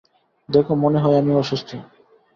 দেখো, মনে হয় আমি অসুস্থ।